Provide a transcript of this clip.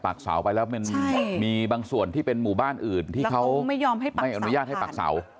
ปักเสาไปแล้วมีบางส่วนที่เป็นหมู่บ้านอื่นที่เขาไม่ยอมให้ปักเสาผ่าน